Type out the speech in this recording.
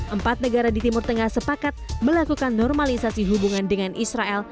empat negara di timur tengah sepakat melakukan normalisasi hubungan dengan israel